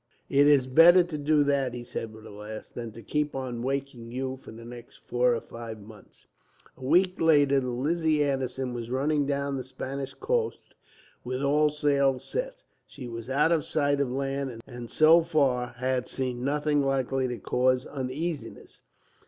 "It's better to do that," he said with a laugh, "than to keep on waking you, for the next four or five months." A week later, the Lizzie Anderson was running down the Spanish coast, with all sail set. She was out of sight of land, and so far had seen nothing likely to cause uneasiness.